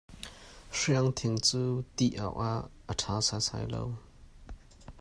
Hriang thing cu tih awk a ṭha sasai lo.